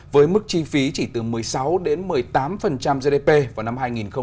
với mức chi phí chỉ từ một mươi sáu một mươi tám gdp vào năm hai nghìn ba mươi